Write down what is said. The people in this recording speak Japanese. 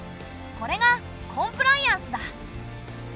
これが「コンプライアンス」だ。